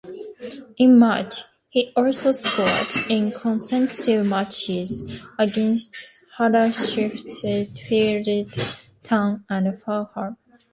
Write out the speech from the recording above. In March, he also scored in consecutive matches against Huddersfield Town and Fulham.